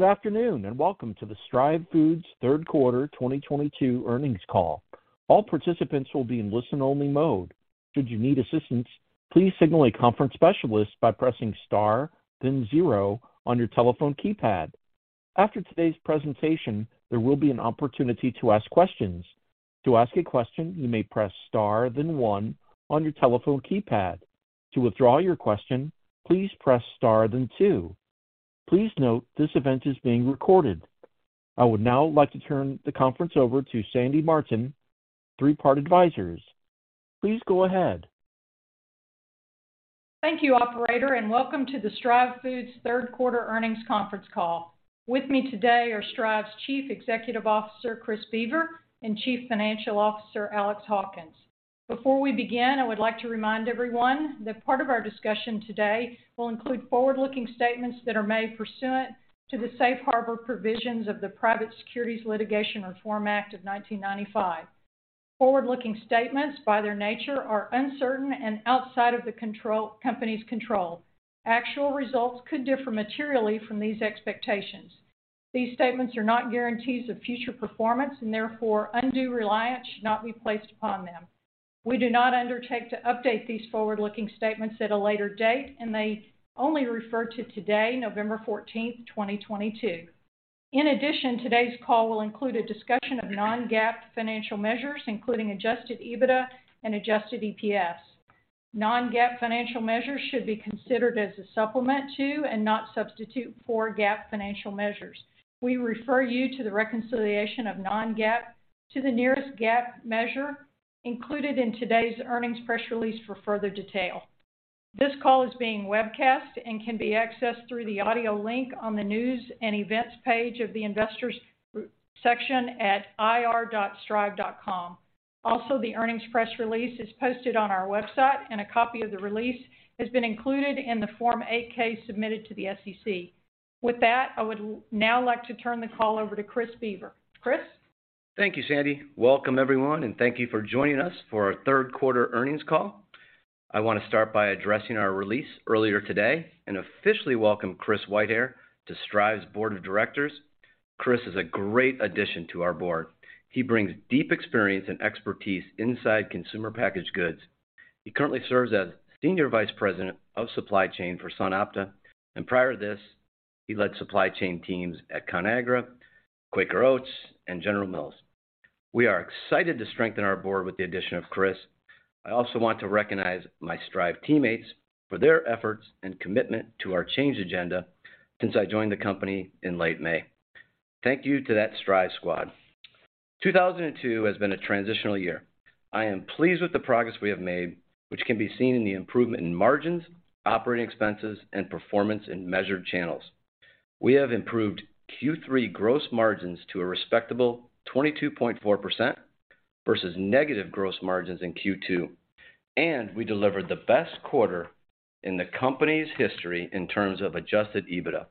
Good afternoon, and welcome to the Stryve Foods third quarter 2022 earnings call. All participants will be in listen-only mode. Should you need assistance, please signal a conference specialist by pressing star, then zero on your telephone keypad. After today's presentation, there will be an opportunity to ask questions. To ask a question, you may press star then one on your telephone keypad. To withdraw your question, please press star then two. Please note this event is being recorded. I would now like to turn the conference over to Sandy Martin, Three Part Advisors. Please go ahead. Thank you, operator, and welcome to the Stryve Foods third quarter earnings conference call. With me today are Stryve's Chief Executive Officer, Chris Boever, and Chief Financial Officer, Alex Hawkins. Before we begin, I would like to remind everyone that part of our discussion today will include forward-looking statements that are made pursuant to the safe harbor provisions of the Private Securities Litigation Reform Act of 1995. Forward-looking statements, by their nature, are uncertain and outside of the company's control. Actual results could differ materially from these expectations. These statements are not guarantees of future performance, and therefore undue reliance should not be placed upon them. We do not undertake to update these forward-looking statements at a later date, and they only refer to today, November 14, 2022. In addition, today's call will include a discussion of non-GAAP financial measures, including adjusted EBITDA and adjusted EPS. Non-GAAP financial measures should be considered as a supplement to and not substitute for GAAP financial measures. We refer you to the reconciliation of non-GAAP to the nearest GAAP measure included in today's earnings press release for further detail. This call is being webcast and can be accessed through the audio link on the News & Events page of the Investors section at ir.stryve.com. Also, the earnings press release is posted on our website, and a copy of the release has been included in the Form 8-K submitted to the SEC. With that, I would now like to turn the call over to Chris Boever. Chris? Thank you, Sandy. Welcome, everyone, and thank you for joining us for our third quarter earnings call. I want to start by addressing our release earlier today and officially welcome Chris Whitehair to Stryve's board of directors. Chris is a great addition to our board. He brings deep experience and expertise inside consumer packaged goods. He currently serves as Senior Vice President of Supply Chain for SunOpta, and prior to this, he led supply chain teams at Conagra, Quaker Oats, and General Mills. We are excited to strengthen our board with the addition of Chris. I also want to recognize my Stryve teammates for their efforts and commitment to our change agenda since I joined the company in late May. Thank you to that Stryve squad. 2002 has been a transitional year. I am pleased with the progress we have made, which can be seen in the improvement in margins, operating expenses, and performance in measured channels. We have improved Q3 gross margins to a respectable 22.4% versus negative gross margins in Q2, and we delivered the best quarter in the company's history in terms of Adjusted EBITDA.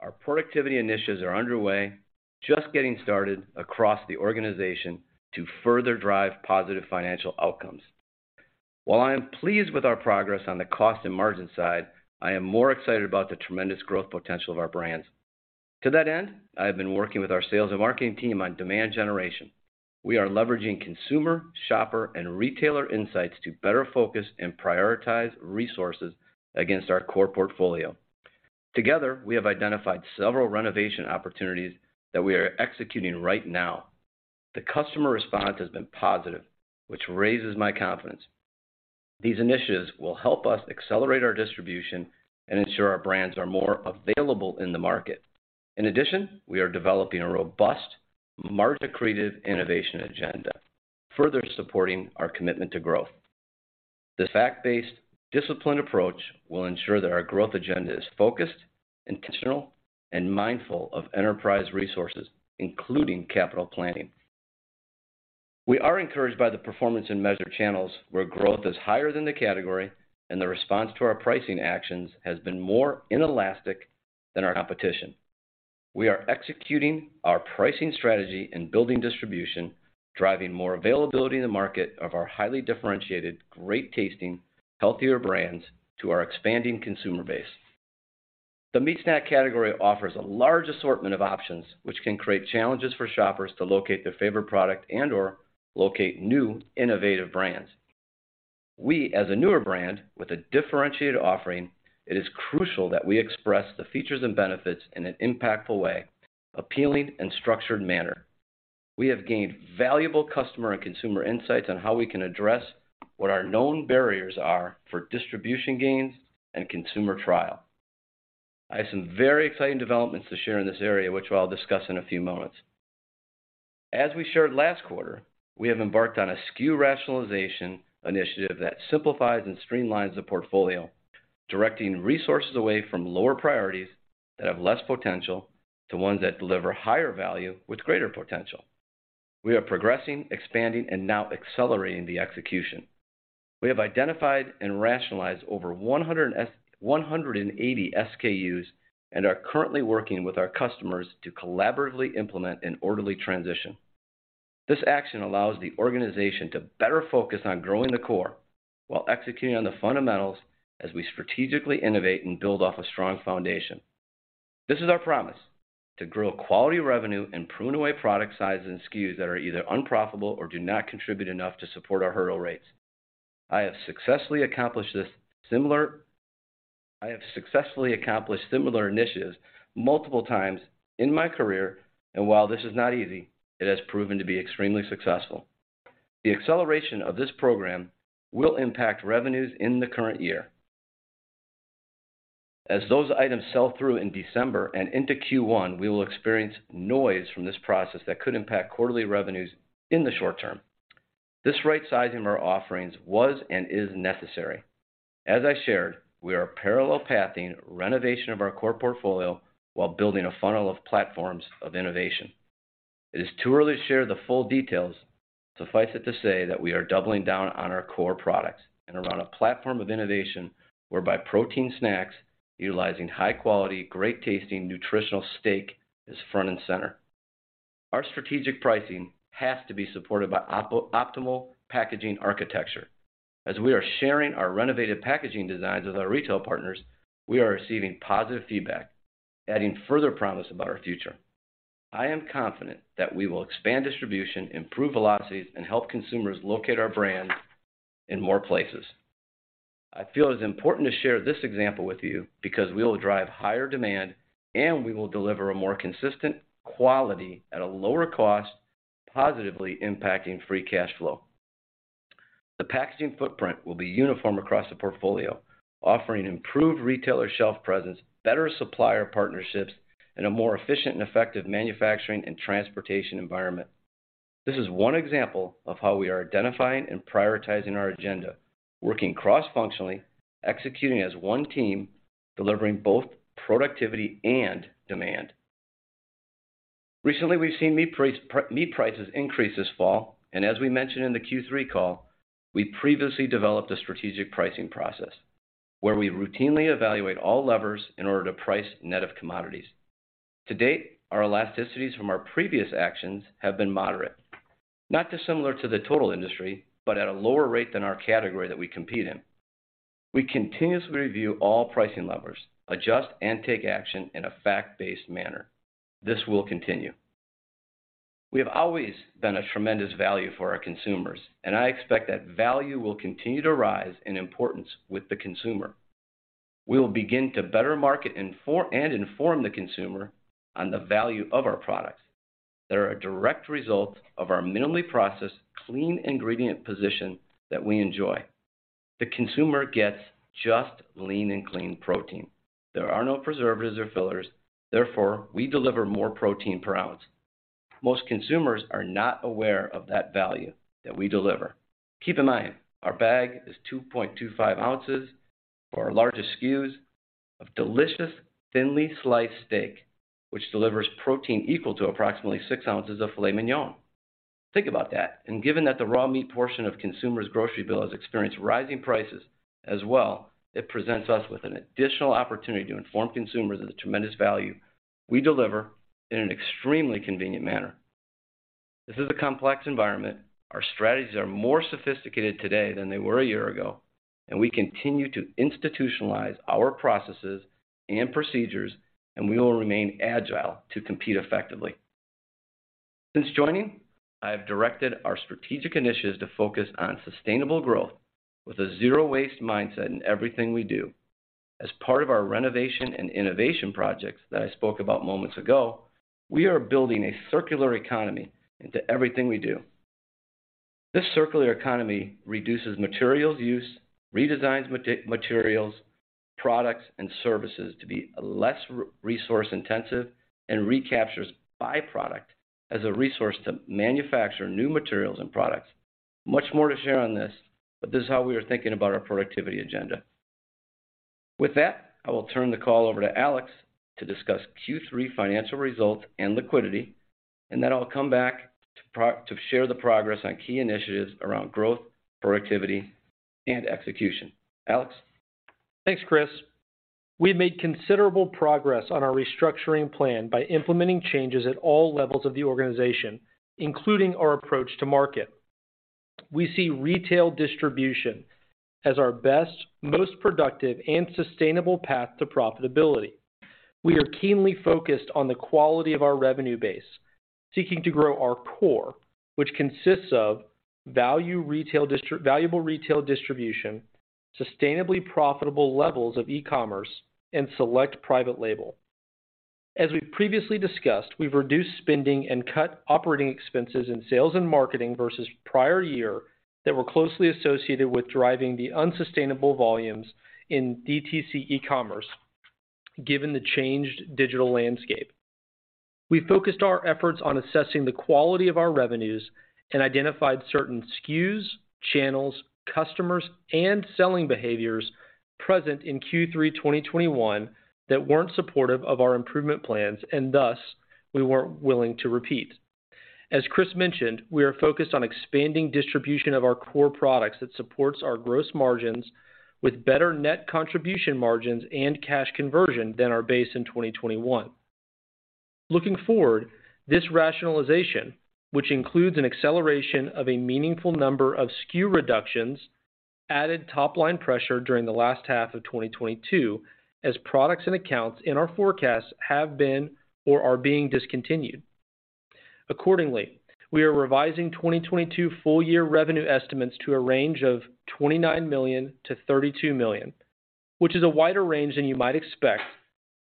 Our productivity initiatives are underway, just getting started across the organization to further drive positive financial outcomes. While I am pleased with our progress on the cost and margin side, I am more excited about the tremendous growth potential of our brands. To that end, I have been working with our sales and marketing team on demand generation. We are leveraging consumer, shopper, and retailer insights to better focus and prioritize resources against our core portfolio. Together, we have identified several renovation opportunities that we are executing right now. The customer response has been positive, which raises my confidence. These initiatives will help us accelerate our distribution and ensure our brands are more available in the market. In addition, we are developing a robust market-created innovation agenda, further supporting our commitment to growth. This fact-based, disciplined approach will ensure that our growth agenda is focused, intentional, and mindful of enterprise resources, including capital planning. We are encouraged by the performance in measured channels where growth is higher than the category and the response to our pricing actions has been more inelastic than our competition. We are executing our pricing strategy and building distribution, driving more availability in the market of our highly differentiated, great-tasting, healthier brands to our expanding consumer base. The meat snack category offers a large assortment of options, which can create challenges for shoppers to locate their favorite product and/or locate new, innovative brands. We, as a newer brand with a differentiated offering, it is crucial that we express the features and benefits in an impactful way, appealing, and structured manner. We have gained valuable customer and consumer insights on how we can address what our known barriers are for distribution gains and consumer trial. I have some very exciting developments to share in this area, which I'll discuss in a few moments. As we shared last quarter, we have embarked on a SKU rationalization initiative that simplifies and streamlines the portfolio, directing resources away from lower priorities that have less potential to ones that deliver higher value with greater potential. We are progressing, expanding, and now accelerating the execution. We have identified and rationalized over 180 SKUs and are currently working with our customers to collaboratively implement an orderly transition. This action allows the organization to better focus on growing the core while executing on the fundamentals as we strategically innovate and build off a strong foundation. This is our promise, to grow quality revenue and prune away product sizes and SKUs that are either unprofitable or do not contribute enough to support our hurdle rates. I have successfully accomplished similar initiatives multiple times in my career. While this is not easy, it has proven to be extremely successful. The acceleration of this program will impact revenues in the current year. As those items sell through in December and into Q1, we will experience noise from this process that could impact quarterly revenues in the short term. This right-sizing of our offerings was and is necessary. As I shared, we are parallel pathing renovation of our core portfolio while building a funnel of platforms of innovation. It is too early to share the full details. Suffice it to say that we are doubling down on our core products and around a platform of innovation whereby protein snacks utilizing high quality, great-tasting nutritional steak is front and center. Our strategic pricing has to be supported by optimal packaging architecture. As we are sharing our renovated packaging designs with our retail partners, we are receiving positive feedback, adding further promise about our future. I am confident that we will expand distribution, improve velocities, and help consumers locate our brands in more places. I feel it's important to share this example with you because we will drive higher demand and we will deliver a more consistent quality at a lower cost, positively impacting free cash flow. The packaging footprint will be uniform across the portfolio, offering improved retailer shelf presence, better supplier partnerships, and a more efficient and effective manufacturing and transportation environment. This is one example of how we are identifying and prioritizing our agenda, working cross-functionally, executing as one team, delivering both productivity and demand. Recently, we've seen meat prices increase this fall, and as we mentioned in the Q3 call, we previously developed a strategic pricing process where we routinely evaluate all levers in order to price net of commodities. To date, our elasticities from our previous actions have been moderate, not dissimilar to the total industry, but at a lower rate than our category that we compete in. We continuously review all pricing levers, adjust, and take action in a fact-based manner. This will continue. We have always been a tremendous value for our consumers, and I expect that value will continue to rise in importance with the consumer. We will begin to better market and inform the consumer on the value of our products that are a direct result of our minimally processed, clean ingredient position that we enjoy. The consumer gets just lean and clean protein. There are no preservatives or fillers. Therefore, we deliver more protein per ounce. Most consumers are not aware of that value that we deliver. Keep in mind, our bag is 2.25 ounces for our largest SKUs of delicious, thinly sliced steak, which delivers protein equal to approximately 6 ounces of filet mignon. Think about that. Given that the raw meat portion of consumers' grocery bill has experienced rising prices as well, it presents us with an additional opportunity to inform consumers of the tremendous value we deliver in an extremely convenient manner. This is a complex environment. Our strategies are more sophisticated today than they were a year ago, and we continue to institutionalize our processes and procedures, and we will remain agile to compete effectively. Since joining, I have directed our strategic initiatives to focus on sustainable growth with a zero-waste mindset in everything we do. As part of our renovation and innovation projects that I spoke about moments ago, we are building a circular economy into everything we do. This circular economy reduces materials use, redesigns materials, products, and services to be less resource intensive and recaptures byproduct as a resource to manufacture new materials and products. Much more to share on this, but this is how we are thinking about our productivity agenda. With that, I will turn the call over to Alex to discuss Q3 financial results and liquidity, and then I'll come back to share the progress on key initiatives around growth, productivity, and execution. Alex? Thanks, Chris. We've made considerable progress on our restructuring plan by implementing changes at all levels of the organization, including our approach to market. We see retail distribution as our best, most productive, and sustainable path to profitability. We are keenly focused on the quality of our revenue base, seeking to grow our core, which consists of valuable retail distribution, sustainably profitable levels of e-commerce, and select private label. As we previously discussed, we've reduced spending and cut operating expenses in sales and marketing versus prior year that were closely associated with driving the unsustainable volumes in DTC e-commerce, given the changed digital landscape. We focused our efforts on assessing the quality of our revenues and identified certain SKUs, channels, customers, and selling behaviors present in Q3 2021 that weren't supportive of our improvement plans and thus we weren't willing to repeat. As Chris mentioned, we are focused on expanding distribution of our core products that supports our gross margins with better net contribution margins and cash conversion than our base in 2021. Looking forward, this rationalization, which includes an acceleration of a meaningful number of SKU reductions, added top-line pressure during the last half of 2022 as products and accounts in our forecast have been or are being discontinued. Accordingly, we are revising 2022 full year revenue estimates to a range of $29 million-$32 million, which is a wider range than you might expect,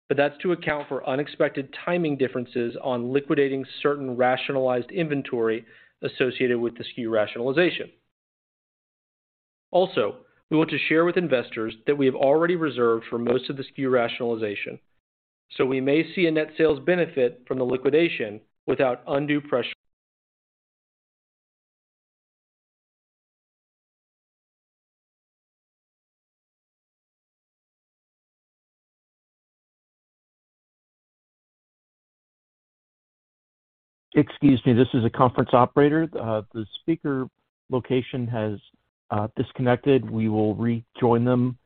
but that's to account for unexpected timing differences on liquidating certain rationalized inventory associated with the SKU rationalization. Also, we want to share with investors that we have already reserved for most of the SKU rationalization, so we may see a net sales benefit from the liquidation without undue pressure. Excuse me, this is the conference operator. The speaker location has disconnected. We will rejoin them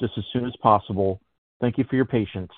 just as soon as possible. Thank you for your patience.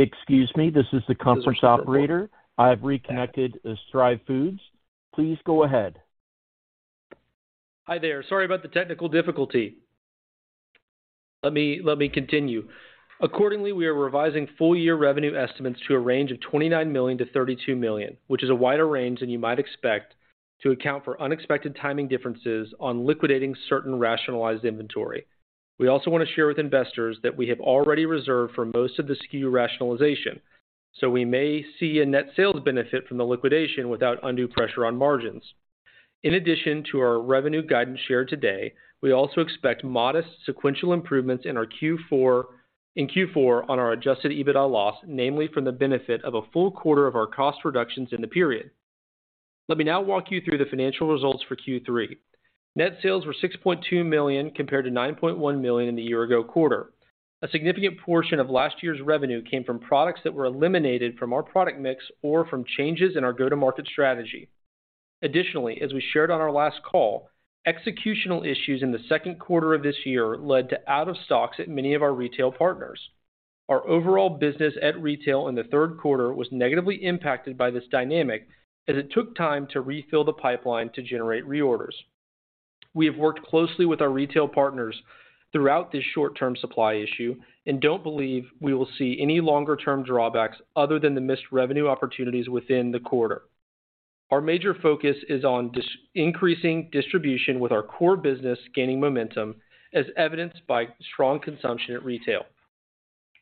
Excuse me, this is the conference operator. I've reconnected the Stryve Foods. Please go ahead. Hi there. Sorry about the technical difficulty. Let me continue. Accordingly, we are revising full-year revenue estimates to a range of $29 million-$32 million, which is a wider range than you might expect to account for unexpected timing differences on liquidating certain rationalized inventory. We also want to share with investors that we have already reserved for most of the SKU rationalization, so we may see a net sales benefit from the liquidation without undue pressure on margins. In addition to our revenue guidance shared today, we also expect modest sequential improvements in Q4 on our Adjusted EBITDA loss, namely from the benefit of a full quarter of our cost reductions in the period. Let me now walk you through the financial results for Q3. Net sales were $6.2 million compared to $9.1 million in the year ago quarter. A significant portion of last year's revenue came from products that were eliminated from our product mix or from changes in our go-to-market strategy. Additionally, as we shared on our last call, executional issues in the second quarter of this year led to out of stocks at many of our retail partners. Our overall business at retail in the third quarter was negatively impacted by this dynamic as it took time to refill the pipeline to generate reorders. We have worked closely with our retail partners throughout this short-term supply issue and don't believe we will see any longer-term drawbacks other than the missed revenue opportunities within the quarter. Our major focus is on increasing distribution with our core business gaining momentum as evidenced by strong consumption at retail.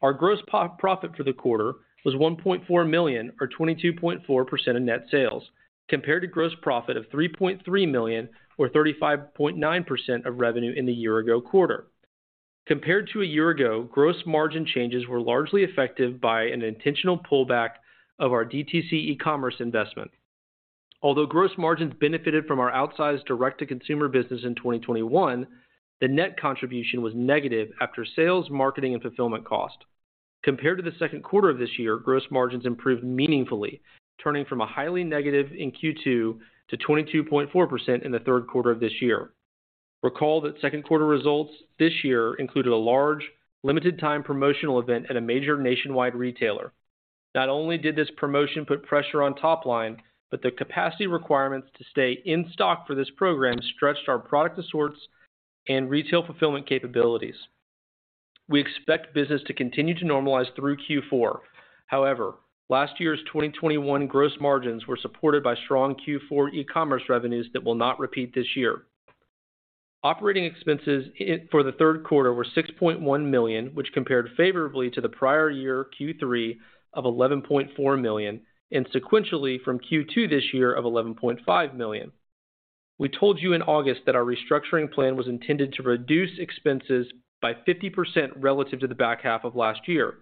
Our gross profit for the quarter was $1.4 million or 22.4% of net sales compared to gross profit of $3.3 million or 35.9% of revenue in the year ago quarter. Compared to a year ago, gross margin changes were largely affected by an intentional pullback of our DTC e-commerce investment. Although gross margins benefited from our outsized direct-to-consumer business in 2021, the net contribution was negative after sales, marketing, and fulfillment cost. Compared to the second quarter of this year, gross margins improved meaningfully, turning from a highly negative in Q2 to 22.4% in the third quarter of this year. Recall that second quarter results this year included a large, limited time promotional event at a major nationwide retailer. Not only did this promotion put pressure on top line, but the capacity requirements to stay in stock for this program stretched our product assortments and retail fulfillment capabilities. We expect business to continue to normalize through Q4. However, last year's 2021 gross margins were supported by strong Q4 e-commerce revenues that will not repeat this year. Operating expenses for the third quarter were $6.1 million, which compared favorably to the prior year Q3 of $11.4 million and sequentially from Q2 this year of $11.5 million. We told you in August that our restructuring plan was intended to reduce expenses by 50% relative to the back half of last year,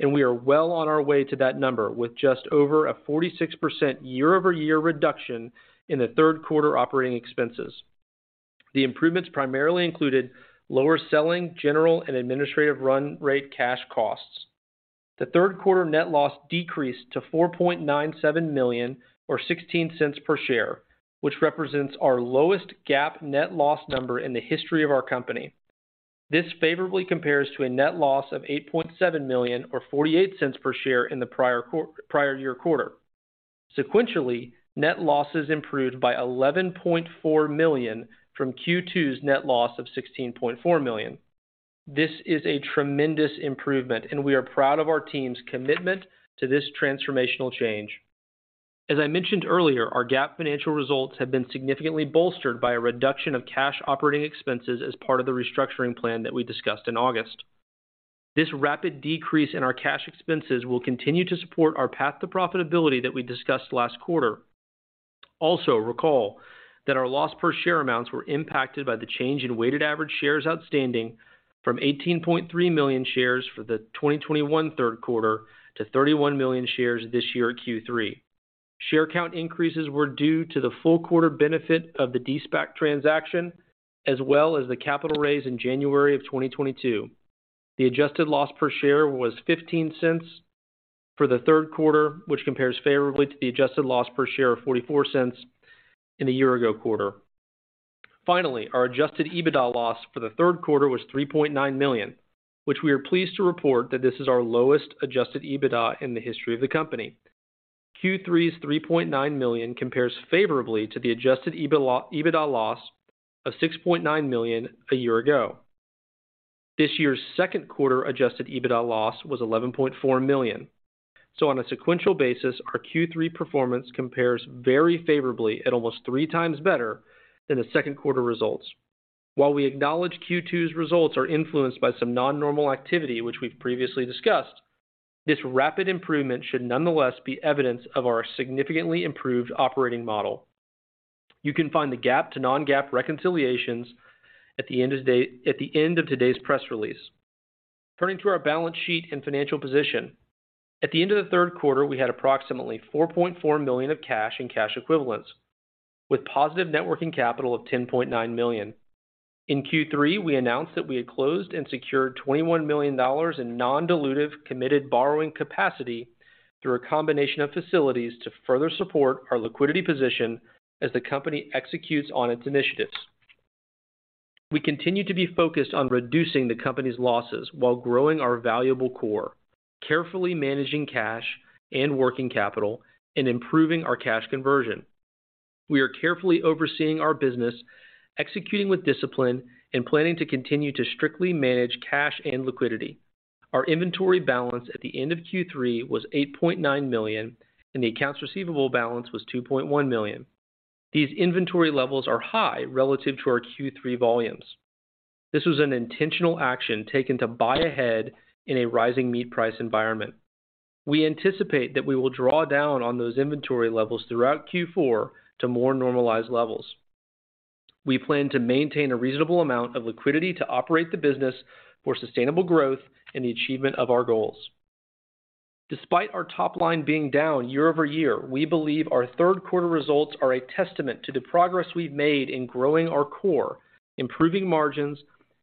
and we are well on our way to that number with just over a 46% year-over-year reduction in the third quarter operating expenses. The improvements primarily included lower selling, general, and administrative run rate cash costs. The third quarter net loss decreased to $4.97 million or $0.16 per share, which represents our lowest GAAP net loss number in the history of our company. This favorably compares to a net loss of $8.7 million or $0.48 per share in the prior year quarter. Sequentially, net losses improved by $11.4 million from Q2's net loss of $16.4 million. This is a tremendous improvement, and we are proud of our team's commitment to this transformational change. As I mentioned earlier, our GAAP financial results have been significantly bolstered by a reduction of cash operating expenses as part of the restructuring plan that we discussed in August. This rapid decrease in our cash expenses will continue to support our path to profitability that we discussed last quarter. Recall that our loss per share amounts were impacted by the change in weighted average shares outstanding from 18.3 million shares for the 2021 third quarter to 31 million shares this year at Q3. Share count increases were due to the full quarter benefit of the de-SPAC transaction, as well as the capital raise in January of 2022. The adjusted loss per share was $0.15 for the third quarter, which compares favorably to the adjusted loss per share of $0.44 in the year ago quarter. Finally, our adjusted EBITDA loss for the third quarter was $3.9 million, which we are pleased to report that this is our lowest adjusted EBITDA in the history of the company. Q3's $3.9 million compares favorably to the adjusted EBITDA loss of $6.9 million a year ago. This year's second quarter adjusted EBITDA loss was $11.4 million. On a sequential basis, our Q3 performance compares very favorably at almost 3x better than the second quarter results. While we acknowledge Q2's results are influenced by some non-normal activity which we've previously discussed, this rapid improvement should nonetheless be evidence of our significantly improved operating model. You can find the GAAP to non-GAAP reconciliations at the end of today's press release. Turning to our balance sheet and financial position. At the end of the third quarter, we had approximately $4.4 million of cash and cash equivalents, with positive net working capital of $10.9 million. In Q3, we announced that we had closed and secured $21 million in non-dilutive committed borrowing capacity through a combination of facilities to further support our liquidity position as the company executes on its initiatives. We continue to be focused on reducing the company's losses while growing our valuable core, carefully managing cash and working capital, and improving our cash conversion. We are carefully overseeing our business, executing with discipline, and planning to continue to strictly manage cash and liquidity. Our inventory balance at the end of Q3 was $8.9 million, and the accounts receivable balance was $2.1 million. These inventory levels are high relative to our Q3 volumes. This was an intentional action taken to buy ahead in a rising meat price environment. We anticipate that we will draw down on those inventory levels throughout Q4 to more normalized levels. We plan to maintain a reasonable amount of liquidity to operate the business for sustainable growth and the achievement of our goals. Despite our top line being down year-over-year, we believe our third quarter results are a testament to the progress we've made in growing our core, improving margins,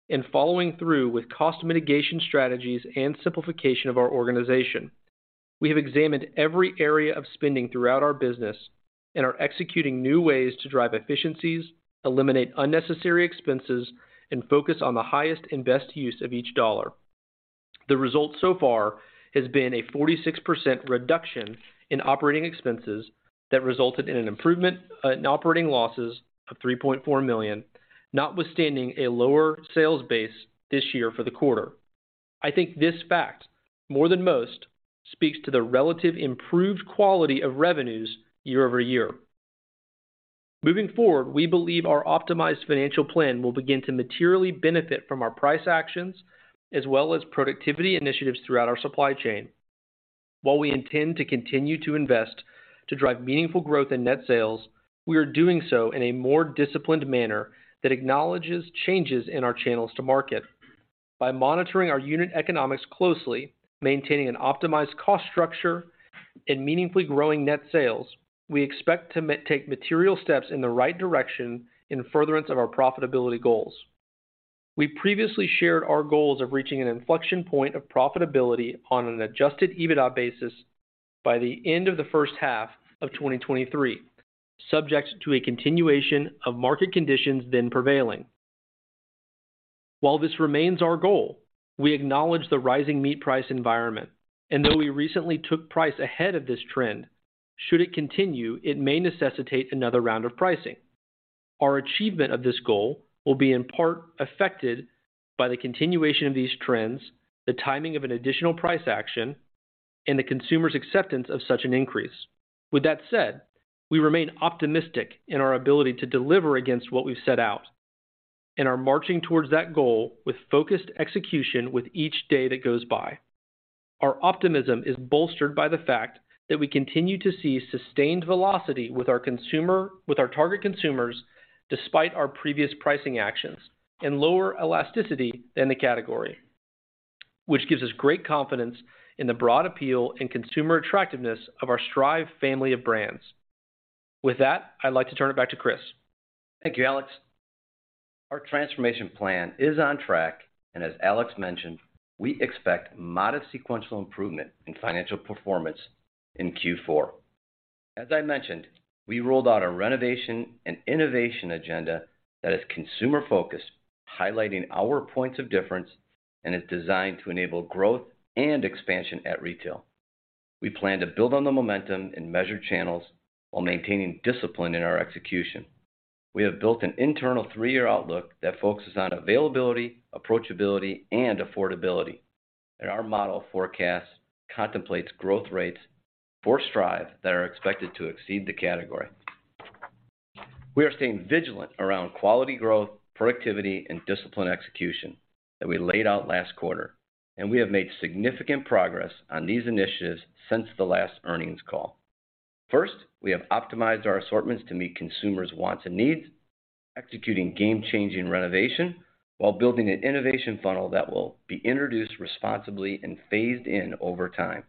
and following through with cost mitigation strategies and simplification of our organization. We have examined every area of spending throughout our business and are executing new ways to drive efficiencies, eliminate unnecessary expenses, and focus on the highest and best use of each dollar. The result so far has been a 46% reduction in operating expenses that resulted in an improvement in operating losses of $3.4 million, notwithstanding a lower sales base this year for the quarter. I think this fact, more than most, speaks to the relative improved quality of revenues year-over-year. Moving forward, we believe our optimized financial plan will begin to materially benefit from our price actions as well as productivity initiatives throughout our supply chain. While we intend to continue to invest to drive meaningful growth in net sales, we are doing so in a more disciplined manner that acknowledges changes in our channels to market. By monitoring our unit economics closely, maintaining an optimized cost structure, and meaningfully growing net sales, we expect to take material steps in the right direction in furtherance of our profitability goals. We previously shared our goals of reaching an inflection point of profitability on an Adjusted EBITDA basis by the end of the first half of 2023, subject to a continuation of market conditions then prevailing. While this remains our goal, we acknowledge the rising meat price environment. Though we recently took price ahead of this trend, should it continue, it may necessitate another round of pricing. Our achievement of this goal will be in part affected by the continuation of these trends, the timing of an additional price action, and the consumer's acceptance of such an increase. With that said, we remain optimistic in our ability to deliver against what we've set out and are marching towards that goal with focused execution with each day that goes by. Our optimism is bolstered by the fact that we continue to see sustained velocity with our target consumers despite our previous pricing actions and lower elasticity in the category, which gives us great confidence in the broad appeal and consumer attractiveness of our Stryve family of brands. With that, I'd like to turn it back to Chris. Thank you, Alex. Our transformation plan is on track, and as Alex mentioned, we expect modest sequential improvement in financial performance in Q4. As I mentioned, we rolled out a renovation and innovation agenda that is consumer-focused, highlighting our points of difference and is designed to enable growth and expansion at retail. We plan to build on the momentum in measured channels while maintaining discipline in our execution. We have built an internal three-year outlook that focuses on availability, approachability, and affordability. Our model forecast contemplates growth rates for Stryve that are expected to exceed the category. We are staying vigilant around quality growth, productivity and disciplined execution that we laid out last quarter, and we have made significant progress on these initiatives since the last earnings call. First, we have optimized our assortments to meet consumers' wants and needs, executing game-changing renovation while building an innovation funnel that will be introduced responsibly and phased in over time.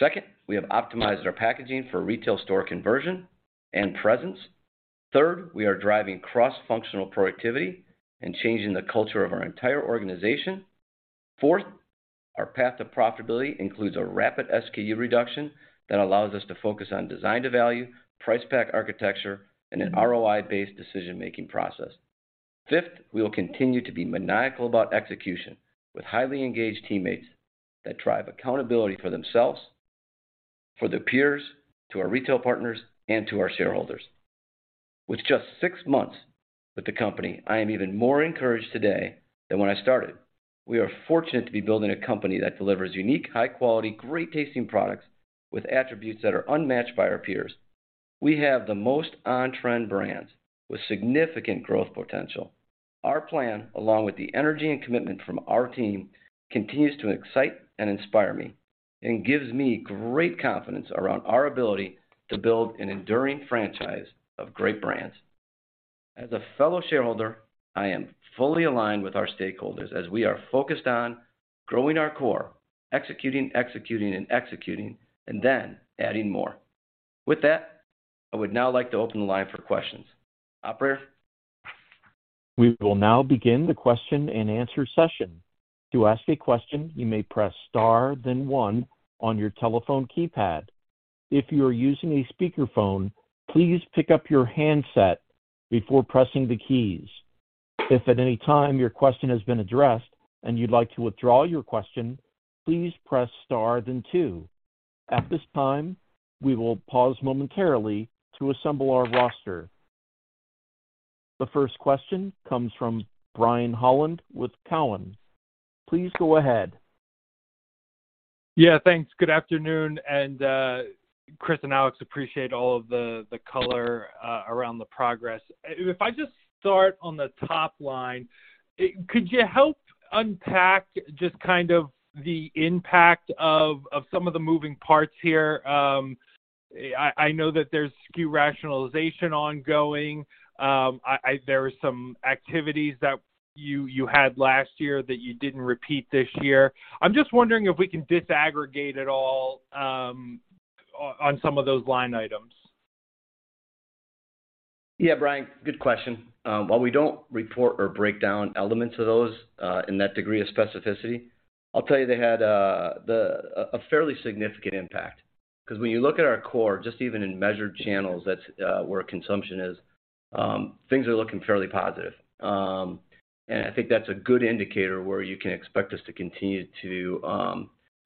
Second, we have optimized our packaging for retail store conversion and presence. Third, we are driving cross-functional productivity and changing the culture of our entire organization. Fourth, our path to profitability includes a rapid SKU reduction that allows us to focus on design to value, price pack architecture, and an ROI-based decision-making process. Fifth, we will continue to be maniacal about execution with highly engaged teammates that drive accountability for themselves, for their peers, to our retail partners, and to our shareholders. With just six months with the company, I am even more encouraged today than when I started. We are fortunate to be building a company that delivers unique, high quality, great tasting products with attributes that are unmatched by our peers. We have the most on-trend brands with significant growth potential. Our plan, along with the energy and commitment from our team, continues to excite and inspire me and gives me great confidence around our ability to build an enduring franchise of great brands. As a fellow shareholder, I am fully aligned with our stakeholders as we are focused on growing our core, executing, and then adding more. With that, I would now like to open the line for questions. Operator? We will now begin the question and answer session. To ask a question, you may press star, then one on your telephone keypad. If you are using a speakerphone, please pick up your handset before pressing the keys. If at any time your question has been addressed and you'd like to withdraw your question, please press star then two. At this time, we will pause momentarily to assemble our roster. The first question comes from Brian Holland with Cowen. Please go ahead. Yeah, thanks. Good afternoon, Chris and Alex, appreciate all of the color around the progress. If I just start on the top line, could you help unpack just kind of the impact of some of the moving parts here? I know that there's SKU rationalization ongoing. There are some activities that you had last year that you didn't repeat this year. I'm just wondering if we can disaggregate at all on some of those line items. Yeah, Brian, good question. While we don't report or break down elements of those in that degree of specificity, I'll tell you they had a fairly significant impact, 'cause when you look at our core, just even in measured channels, that's where consumption is, things are looking fairly positive. I think that's a good indicator where you can expect us to continue to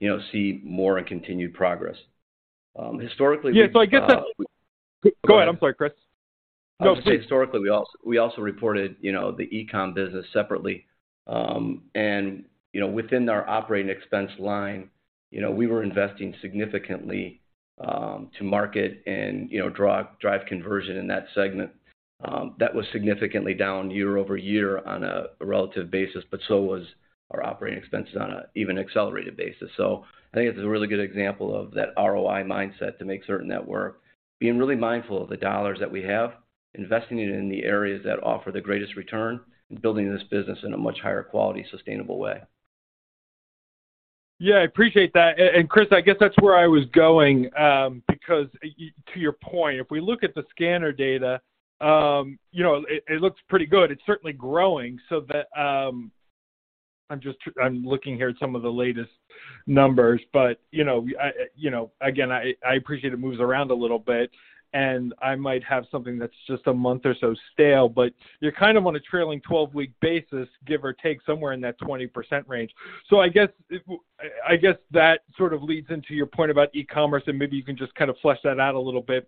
you know see more and continued progress. Historically- Yeah. I guess that. Go ahead. I'm sorry, Chris. No, please. Historically, we also reported, you know, the e-com business separately. You know, within our operating expense line, you know, we were investing significantly to market and drive conversion in that segment. That was significantly down year-over-year on a relative basis, but so was our operating expenses on an even accelerated basis. I think it's a really good example of that ROI mindset to make certain that we're being really mindful of the dollars that we have, investing it in the areas that offer the greatest return, and building this business in a much higher quality, sustainable way. Yeah, I appreciate that. And Chris, I guess that's where I was going, because to your point, if we look at the scanner data, you know, it looks pretty good. It's certainly growing. I'm just looking here at some of the latest numbers, but you know. Again, I appreciate it moves around a little bit, and I might have something that's just a month or so stale, but you're kind of on a trailing twelve-week basis, give or take, somewhere in that 20% range. I guess that sort of leads into your point about e-commerce, and maybe you can just kinda flesh that out a little bit.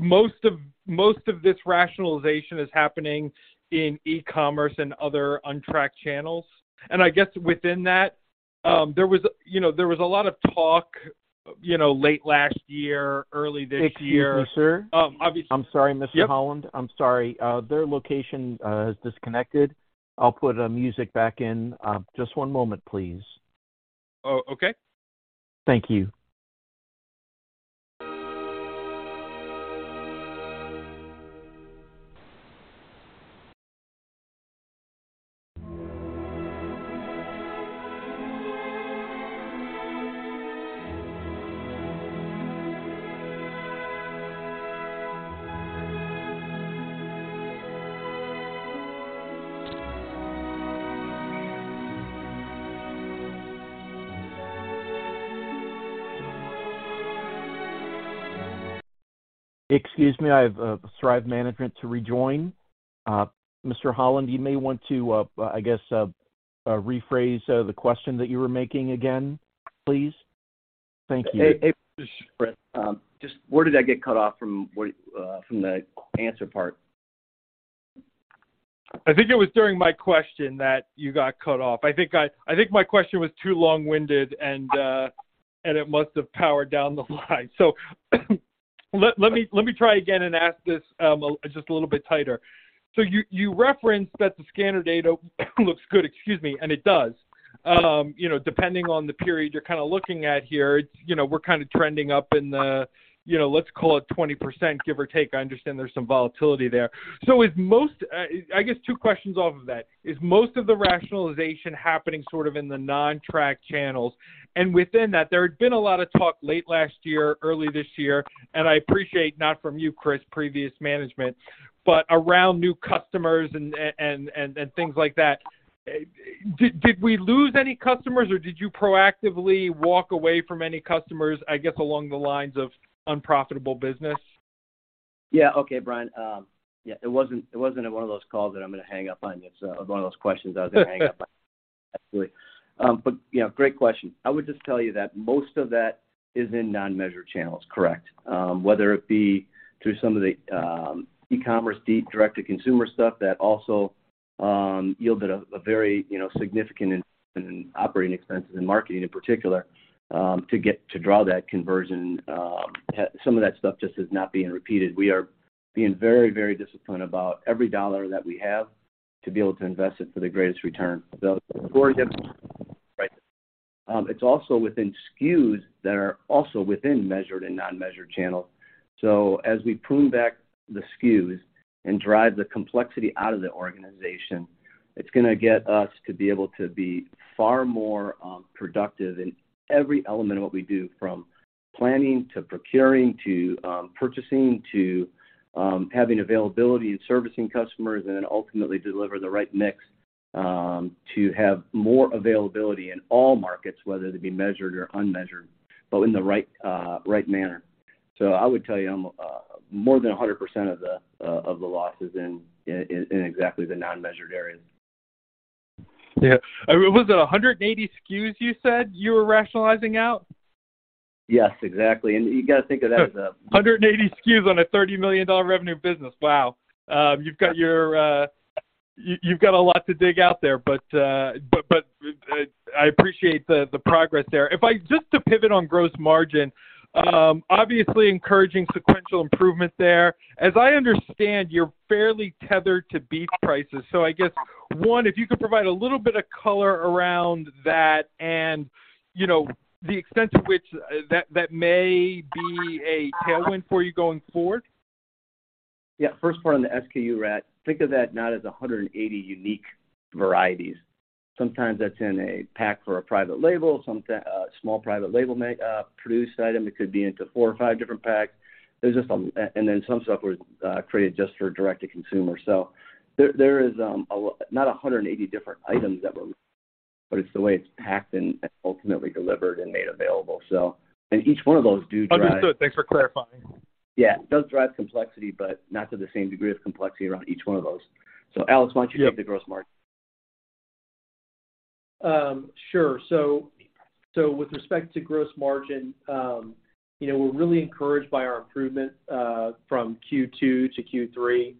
Most of this rationalization is happening in e-commerce and other untracked channels. I guess within that, you know, there was a lot of talk, you know, late last year, early this year. Excuse me, sir. Obviously. I'm sorry, Mr. Holland. Yep. I'm sorry. Their location has disconnected. I'll put music back in. Just one moment, please. Oh, okay. Thank you. Excuse me, I have Stryve management to rejoin. Mr. Holland, you may want to, I guess, rephrase the question that you were making again, please. Thank you. Hey, Chris. Just where did I get cut off from what, from the answer part? I think it was during my question that you got cut off. I think my question was too long-winded and it must have powered down the line. Let me try again and ask this just a little bit tighter. You referenced that the scanner data looks good, excuse me, and it does. You know, depending on the period you're kinda looking at here, you know, we're kinda trending up in the, you know, let's call it 20%, give or take. I understand there's some volatility there. Is most of the rationalization happening sort of in the non-track channels? Within that, there had been a lot of talk late last year, early this year, and I appreciate not from you, Chris, previous management, but around new customers and things like that. Did we lose any customers, or did you proactively walk away from any customers, I guess, along the lines of unprofitable business? Yeah. Okay, Brian. It wasn't one of those calls that I'm gonna hang up on you, so it was one of those questions I was gonna hang up on you, actually. But, you know, great question. I would just tell you that most of that is in non-measured channels, correct. Whether it be through some of the e-commerce, DTC direct-to-consumer stuff that also yielded a very, you know, significant increase in operating expenses and marketing in particular to drive that conversion. Some of that stuff just is not being repeated. We are being very, very disciplined about every dollar that we have to be able to invest it for the greatest return. The core gives, right. It's also within SKUs that are also within measured and non-measured channels. As we prune back the SKUs and drive the complexity out of the organization, it's gonna get us to be able to be far more productive in every element of what we do, from planning to procuring to purchasing to having availability and servicing customers, and then ultimately deliver the right mix to have more availability in all markets, whether they be measured or unmeasured, but in the right manner. I would tell you I'm more than 100% of the losses in exactly the non-measured areas. Yeah. Was it 180 SKUs you said you were rationalizing out? Yes, exactly. You got to think of that as 180 SKUs on a $30 million revenue business. Wow. You've got a lot to dig out there. I appreciate the progress there. If I just to pivot on gross margin, obviously encouraging sequential improvement there. As I understand, you're fairly tethered to beef prices. I guess, one, if you could provide a little bit of color around that and, you know, the extent to which that may be a tailwind for you going forward. Yeah. First part on the SKU count, think of that not as 180 unique varieties. Sometimes that's in a pack for a private label, sometimes a small private label may produce item. It could be into four or five different packs. There's just, and then some stuff was created just for direct to consumer. So there is not 180 different items that were. But it's the way it's packed and ultimately delivered and made available. Each one of those do drive- Understood. Thanks for clarifying. Yeah. It does drive complexity, but not to the same degree of complexity around each one of those. Alex, why don't you take the gross margin? Sure. With respect to gross margin, you know, we're really encouraged by our improvement from Q2 to Q3.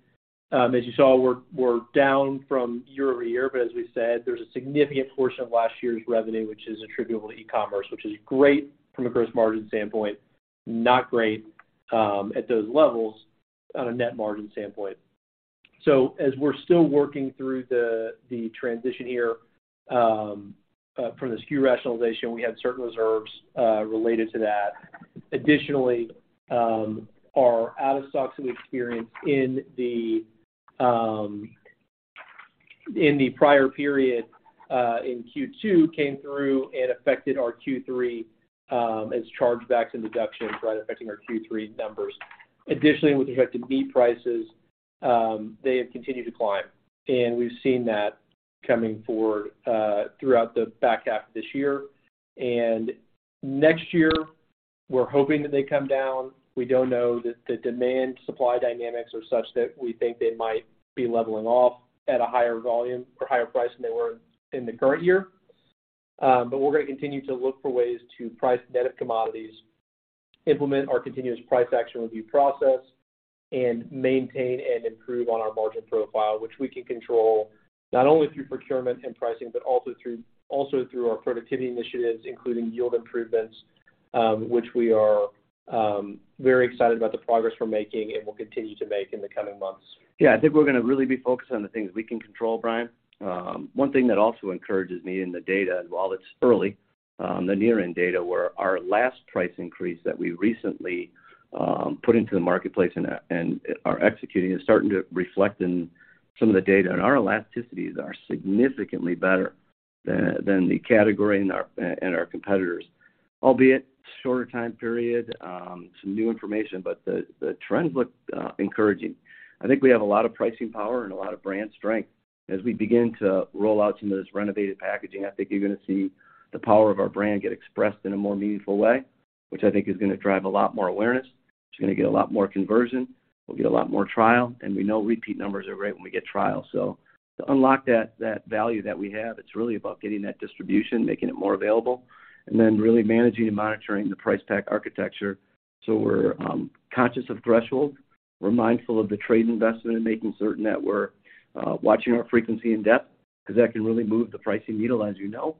As you saw, we're down from year-over-year, but as we said, there's a significant portion of last year's revenue, which is attributable to e-commerce, which is great from a gross margin standpoint, not great at those levels on a net margin standpoint. As we're still working through the transition here from the SKU rationalization, we have certain reserves related to that. Additionally, our out-of-stocks we experienced in the prior period in Q2 came through and affected our Q3 as chargebacks and deductions, right, affecting our Q3 numbers. Additionally, with respect to beef prices, they have continued to climb, and we've seen that coming forward throughout the back half of this year. Next year, we're hoping that they come down. We don't know that the demand supply dynamics are such that we think they might be leveling off at a higher volume or higher price than they were in the current year. But we're gonna continue to look for ways to price net of commodities, implement our continuous price action review process, and maintain and improve on our margin profile, which we can control not only through procurement and pricing, but also through our productivity initiatives, including yield improvements, which we are very excited about the progress we're making and will continue to make in the coming months. Yeah. I think we're gonna really be focused on the things we can control, Brian. One thing that also encourages me in the data, and while it's early, the Nielsen data where our last price increase that we recently put into the marketplace and are executing is starting to reflect in some of the data. Our elasticities are significantly better than the category and our competitors. Albeit shorter time period, some new information, but the trends look encouraging. I think we have a lot of pricing power and a lot of brand strength. As we begin to roll out some of this renovated packaging, I think you're gonna see the power of our brand get expressed in a more meaningful way, which I think is gonna drive a lot more awareness. It's gonna get a lot more conversion. We'll get a lot more trial, and we know repeat numbers are great when we get trial. To unlock that value that we have, it's really about getting that distribution, making it more available, and then really managing and monitoring the price pack architecture. We're conscious of threshold. We're mindful of the trade investment and making certain that we're watching our frequency in depth 'cause that can really move the pricing needle, as you know,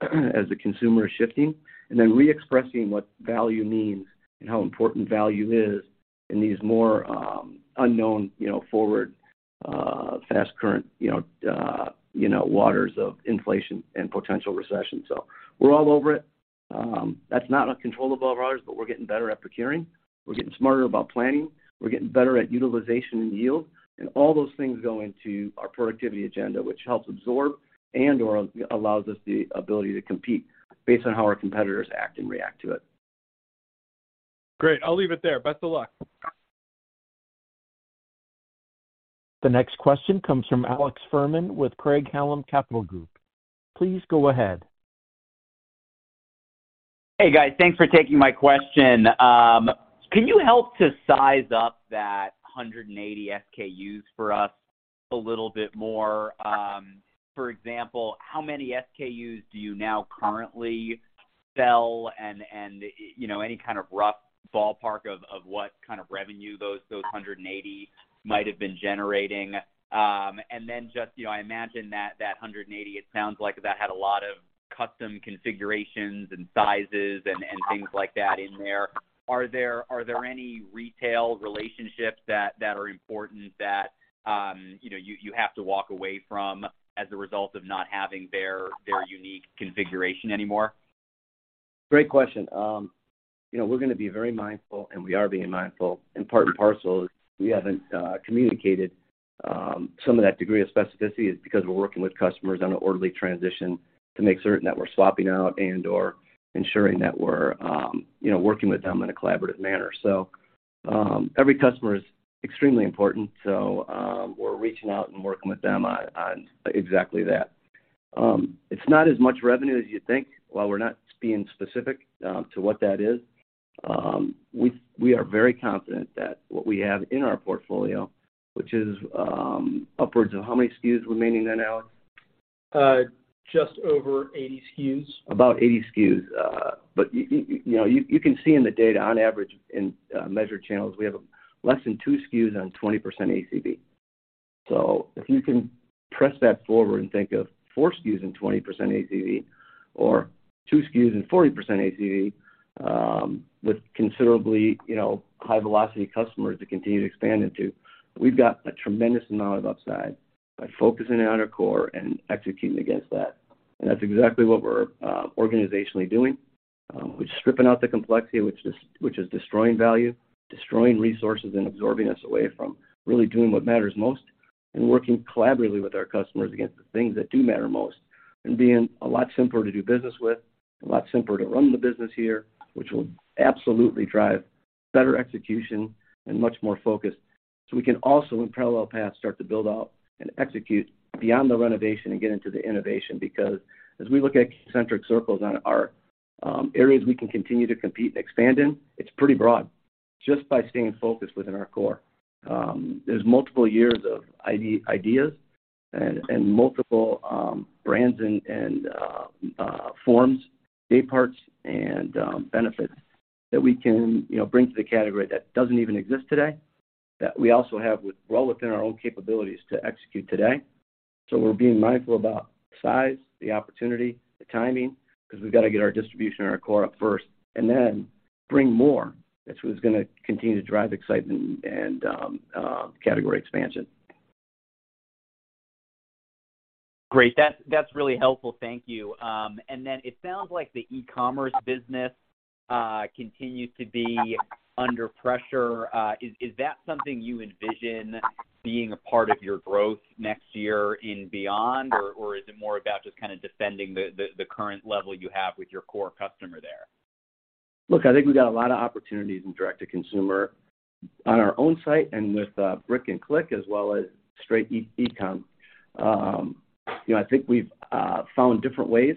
as the consumer is shifting. Re-expressing what value means and how important value is in these more unknown, you know, forward, fast current, you know, waters of inflation and potential recession. We're all over it. That's not in our control of ours, but we're getting better at procuring. We're getting smarter about planning. We're getting better at utilization and yield, and all those things go into our productivity agenda, which helps absorb and/or allows us the ability to compete based on how our competitors act and react to it. Great. I'll leave it there. Best of luck. The next question comes from Alex Fuhrman with Craig-Hallum Capital Group. Please go ahead. Hey, guys. Thanks for taking my question. Can you help to size up that 180 SKUs for us a little bit more? For example, how many SKUs do you now currently sell and, you know, any kind of rough ballpark of what kind of revenue those 180 might have been generating? And then just, you know, I imagine that 180, it sounds like that had a lot of custom configurations and sizes and things like that in there. Are there any retail relationships that are important that, you know, you have to walk away from as a result of not having their unique configuration anymore? Great question. You know, we're gonna be very mindful, and we are being mindful, and part and parcel is we haven't communicated some of that degree of specificity is because we're working with customers on an orderly transition to make certain that we're swapping out and/or ensuring that we're, you know, working with them in a collaborative manner. Every customer is extremely important, so we're reaching out and working with them on exactly that. It's not as much revenue as you'd think. While we're not being specific to what that is, we are very confident that what we have in our portfolio, which is upwards of how many SKUs remaining then, Alex? Just over 80 SKUs. About 80 SKUs. You know, you can see in the data on average in measured channels, we have less than 2 SKUs on 20% ACV. If you can press that forward and think of 4 SKUs and 20% ACV or 2 SKUs and 40% ACV, with considerably, you know, high velocity customers to continue to expand into, we've got a tremendous amount of upside by focusing in on our core and executing against that. That's exactly what we're organizationally doing. We're stripping out the complexity, which is destroying value, destroying resources, and absorbing us away from really doing what matters most and working collaboratively with our customers against the things that do matter most and being a lot simpler to do business with, a lot simpler to run the business here, which will absolutely drive better execution and much more focus. We can also in parallel paths start to build out and execute beyond the renovation and get into the innovation. Because as we look at concentric circles on our areas we can continue to compete and expand in, it's pretty broad just by staying focused within our core. There's multiple years of ideas and multiple brands and forms, day parts and benefits that we can, you know, bring to the category that doesn't even exist today, that we also have well within our own capabilities to execute today. We're being mindful about size, the opportunity, the timing, 'cause we've gotta get our distribution and our core up first and then bring more. That's what's gonna continue to drive excitement and category expansion. Great. That's really helpful. Thank you. It sounds like the e-commerce business continues to be under pressure. Is that something you envision being a part of your growth next year and beyond? Or is it more about just kinda defending the current level you have with your core customer there? Look, I think we got a lot of opportunities in direct to consumer on our own site and with brick and click as well as straight e-com. You know, I think we've found different ways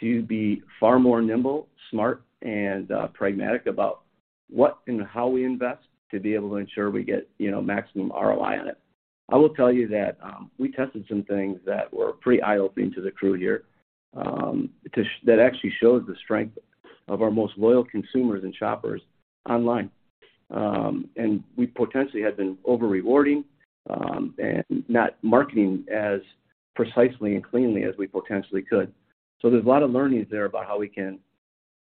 to be far more nimble, smart, and pragmatic about what and how we invest to be able to ensure we get you know, maximum ROI on it. I will tell you that we tested some things that were pretty eye-opening to the crew here that actually showed the strength of our most loyal consumers and shoppers online. We potentially had been over-rewarding and not marketing as precisely and cleanly as we potentially could. There's a lot of learnings there about how we can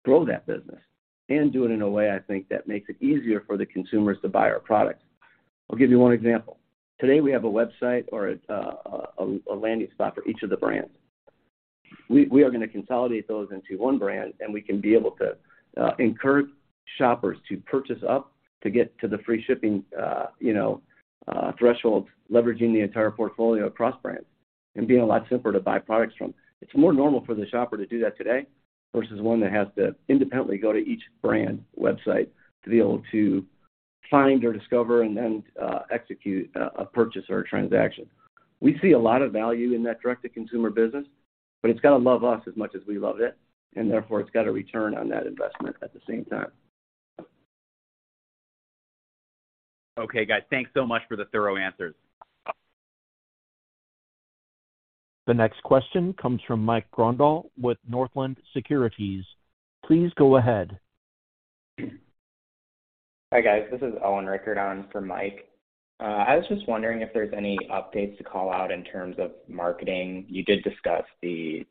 grow that business and do it in a way, I think, that makes it easier for the consumers to buy our products. I'll give you one example. Today, we have a website or a landing spot for each of the brands. We are gonna consolidate those into one brand, and we can be able to encourage shoppers to purchase up to get to the free shipping, you know, threshold, leveraging the entire portfolio across brands and being a lot simpler to buy products from. It's more normal for the shopper to do that today versus one that has to independently go to each brand website to be able to find or discover and then execute a purchase or a transaction. We see a lot of value in that direct-to-consumer business, but it's gotta love us as much as we love it, and therefore it's got a return on that investment at the same time. Okay, guys. Thanks so much for the thorough answers. The next question comes from Mike Grondahl with Northland Securities. Please go ahead. Hi, guys. This is Owen Rickert on for Mike. I was just wondering if there's any updates to call out in terms of marketing. You did discuss the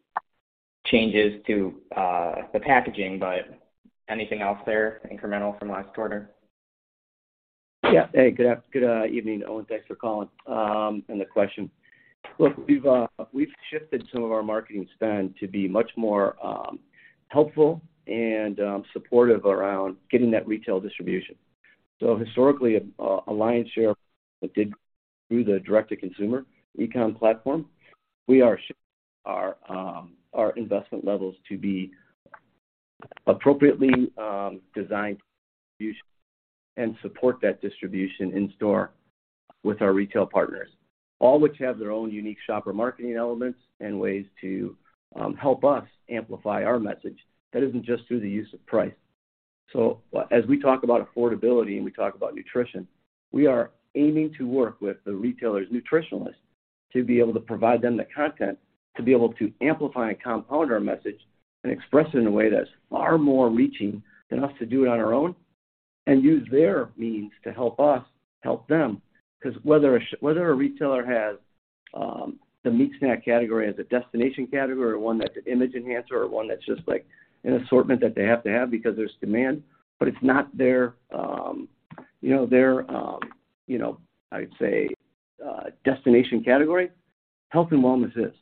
changes to the packaging, but anything else there incremental from last quarter? Yeah. Hey, good evening, Owen. Thanks for calling and the question. Look, we've shifted some of our marketing spend to be much more helpful and supportive around getting that retail distribution. Historically, lion's share did through the direct-to-consumer e-com platform. We are shifting our investment levels to be appropriately designed and support that distribution in store with our retail partners, all which have their own unique shopper marketing elements and ways to help us amplify our message that isn't just through the use of price. As we talk about affordability and we talk about nutrition, we are aiming to work with the retailer's nutritionist to be able to provide them the content to be able to amplify and compound our message and express it in a way that's far more reaching than us to do it on our own and use their means to help us help them. 'Cause whether a retailer has the meat snack category as a destination category or one that's an image enhancer or one that's just like an assortment that they have to have because there's demand, but it's not their, you know, I'd say, destination category, health and wellness is.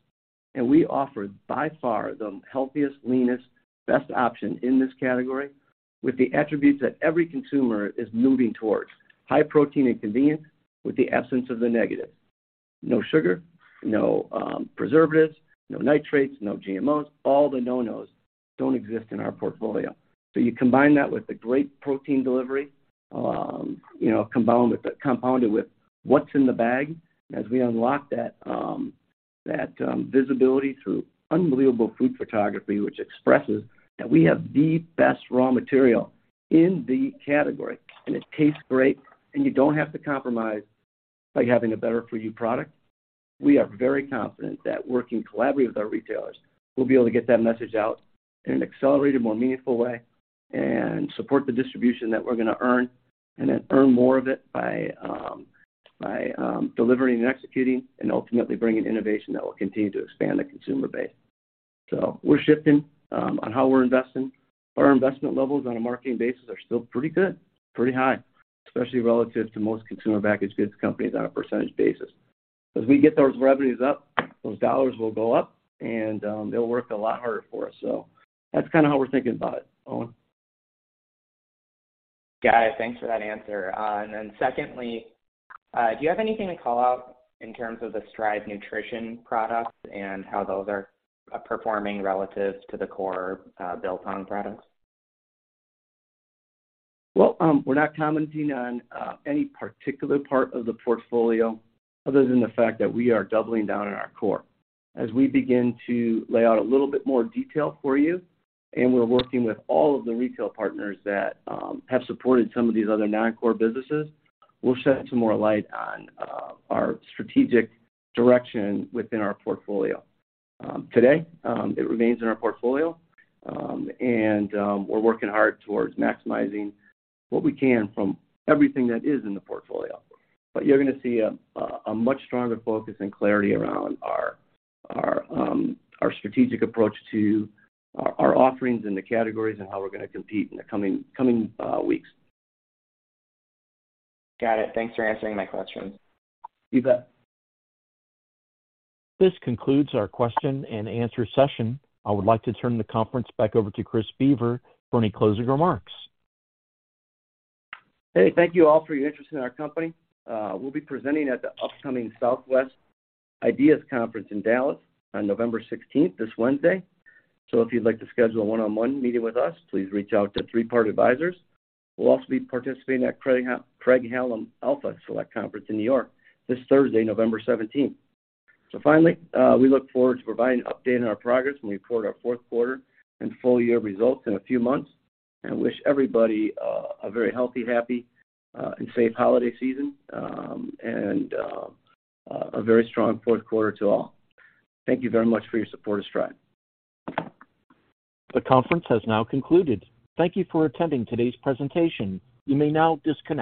We offer by far the healthiest, leanest, best option in this category with the attributes that every consumer is moving towards, high protein and convenience with the essence of the negative. No sugar, no preservatives, no nitrates, no GMOs. All the no-nos don't exist in our portfolio. You combine that with a great protein delivery, you know, compounded with what's in the bag as we unlock that visibility through unbelievable food photography which expresses that we have the best raw material in the category, and it tastes great and you don't have to compromise by having a better for you product. We are very confident that working collaboratively with our retailers, we'll be able to get that message out in an accelerated, more meaningful way and support the distribution that we're gonna earn and then earn more of it by delivering and executing and ultimately bringing innovation that will continue to expand the consumer base. We're shifting on how we're investing. Our investment levels on a marketing basis are still pretty good, pretty high, especially relative to most consumer packaged goods companies on a percentage basis. As we get those revenues up, those dollars will go up and they'll work a lot harder for us. That's kinda how we're thinking about it, Owen. Got it. Thanks for that answer. Secondly, do you have anything to call out in terms of the Stryve Nutrition products and how those are performing relative to the core Biltong products? Well, we're not commenting on any particular part of the portfolio other than the fact that we are doubling down on our core. As we begin to lay out a little bit more detail for you, and we're working with all of the retail partners that have supported some of these other non-core businesses, we'll shed some more light on our strategic direction within our portfolio. Today, it remains in our portfolio, and we're working hard towards maximizing what we can from everything that is in the portfolio. You're gonna see a much stronger focus and clarity around our strategic approach to our offerings and the categories and how we're gonna compete in the coming weeks. Got it. Thanks for answering my questions. You bet. This concludes our question and answer session. I would like to turn the conference back over to Chris Boever for any closing remarks. Hey. Thank you all for your interest in our company. We'll be presenting at the upcoming Southwest IDEAS Investor Conference in Dallas on November 16, this Wednesday. If you'd like to schedule a one-on-one meeting with us, please reach out to Three Part Advisors. We'll also be participating at Craig-Hallum Alpha Select Conference in New York this Thursday, November 17. Finally, we look forward to providing an update on our progress when we report our fourth quarter and full year results in a few months. Wish everybody a very healthy, happy, and safe holiday season, and a very strong fourth quarter to all. Thank you very much for your support of Stryve. The conference has now concluded. Thank you for attending today's presentation. You may now disconnect.